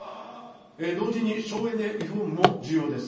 同時に、省エネリフォームも重要です。